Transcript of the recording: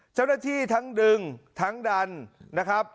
เจ้าหน้าที่ทั้งดึงทั้งดันนะครับ